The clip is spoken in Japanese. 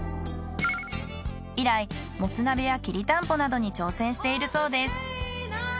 以来モツ鍋やきりたんぽなどに挑戦しているそうです。